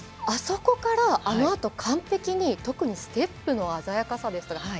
あそこから、あのあと完璧に特にステップの鮮やかさですとか。